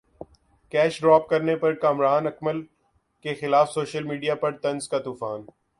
catch drop کرنے پر کامران اکمل کیخلاف سوشل میڈیا پر طنز کا طوفان